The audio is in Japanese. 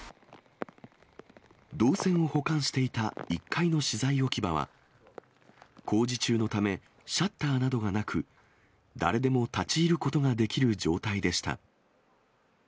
銅線を保管していた１階の資材置き場は、工事中のため、シャッターなどがなく、誰でも立ち入ることができる状態でした。